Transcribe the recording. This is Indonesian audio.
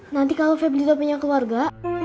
nanti kalau febly tidak punya keluarga